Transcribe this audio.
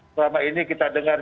selama ini kita dengar